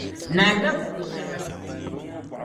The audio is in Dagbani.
Naa da buku shɛŋa n-ti ti.